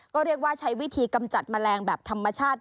ก็เรียกว่าใช้วิธีกำจัดแมลงแบบธรรมชาติ